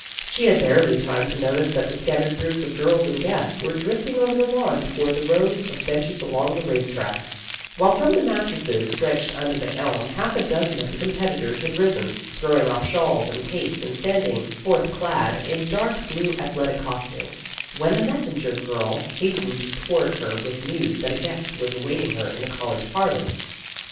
She had barely time to notice that the scattered groups of girls and guests were drifting over the lawn toward the rows of benches along the race track, while from the mattresses stretched under For the Honor of the Class 165 the elm half a dozen of the competitors had risen, throwing off shawls and capes and standing forth clad in dark blue ath letic costume, when a messenger girl has tened toward her with news that a guest was awaiting her in the college parlors.